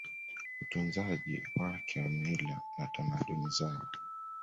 utunzaji wake wa mila na tamaduni zao